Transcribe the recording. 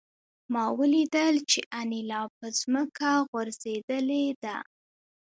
ما ولیدل چې انیلا په ځمکه غورځېدلې ده